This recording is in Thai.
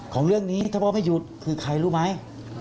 ของเรื่องนี้ถ้าพ่อไม่หยุดคือใครรู้ไหม